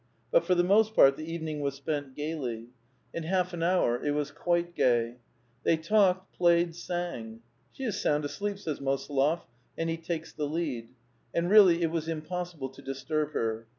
But for the most part the evening was spent gayly ; in half an hour it was quite gay. They talked, played, sang. *' She is sound asleep/' says Mosolof, and he takes the lead. And really, it was impossible to disturb her.